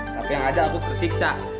tapi yang ada aku tersiksa